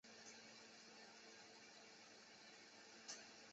此外还成立子公司精灵宝可梦有限公司。